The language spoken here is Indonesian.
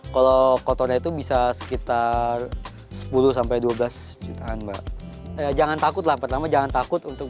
kalau kotornya itu bisa sekitar sepuluh sampai dua belas jutaan mbak jangan takutlah pertama jangan takut untuk